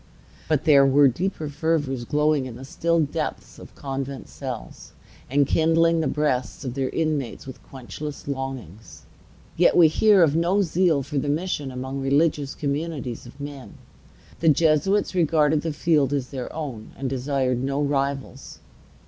But there were deeper fervors, glowing in the still depths of convent cells, and kindling the breasts of their inmates with quenchless longings. Yet we hear of no zeal for the mission among religious communities of men. The Jesuits regarded the field as their own, and desired no rivals.